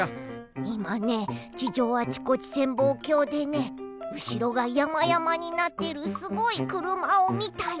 いまね地上あちこち潜望鏡でねうしろがやまやまになってるすごいくるまをみたよ。